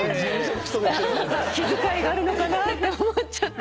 気遣いがあるのかなと思っちゃって。